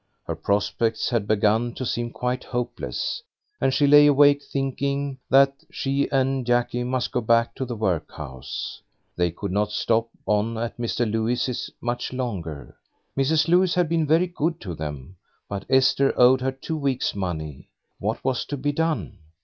Her prospects had begun to seem quite hopeless, and she lay awake thinking that she and Jackie must go back to the workhouse. They could not stop on at Mrs. Lewis's much longer. Mrs. Lewis had been very good to them, but Esther owed her two weeks' money. What was to be done?